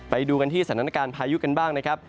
ไปดูกันที่สถานการณ์พายุกันบ้างนะครับ